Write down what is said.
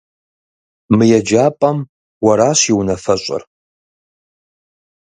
Мы еджапӀэм уэращ и унафэщӀыр.